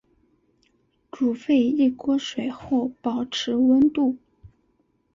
煮沸一锅水后保持温度。